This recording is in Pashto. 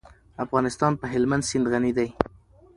افغانستان په هلمند سیند غني دی.